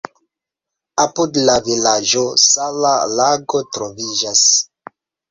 Apud la vilaĝo sala lago troviĝas.